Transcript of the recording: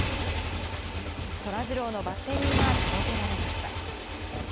そらジローのバッテリーが届けられました。